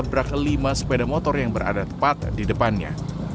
menabrak lima sepeda motor yang berada tepat di depannya